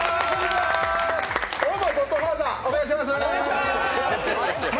オー・マイ・ゴッドファーザー、お願いします。